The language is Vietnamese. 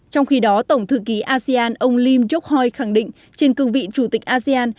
trong khi đó tổng thư ký asean ông lim jokhoi khẳng định trên cương vị chủ tịch asean